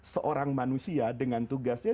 seorang manusia dengan tugasnya